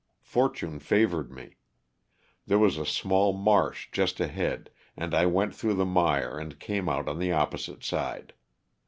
Fortune favored me. There was a small marsh just ahead and I went through the mire and came out on the opposite side.